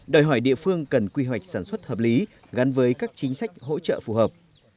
đòi hỏi địa phương cần quy hoạch sản xuất hợp lý gắn với các chính sách hỗ trợ phù hợp